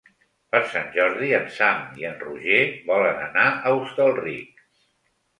Per Sant Jordi en Sam i en Roger volen anar a Hostalric.